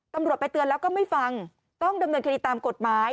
ตำรวจไปเตือนแล้วก็ไม่ฟังต้องดำเนินคดีตามกฎหมาย